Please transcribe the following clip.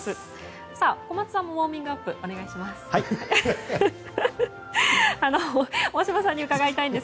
さあ、小松さんもウォーミングアップお願いします。